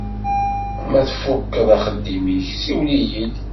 Ma tfukkeḍ axeddim-ik siwel-iyi-d.